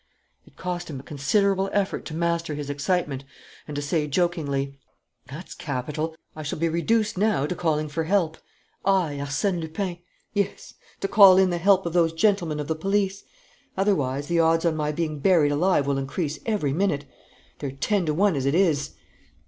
It cost him a considerable effort to master his excitement and to say, jokingly: "That's capital! I shall be reduced now to calling for help. I, Arsène Lupin! Yes, to call in the help of those gentlemen of the police. Otherwise, the odds on my being buried alive will increase every minute. They're ten to one as it is!"